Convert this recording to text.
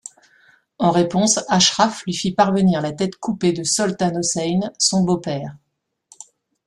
En réponse, Ashraf lui fit parvenir la tête coupée de Soltan Hossein, son beau-père.